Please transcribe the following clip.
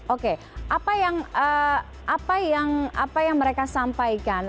oke apa yang mereka sampaikan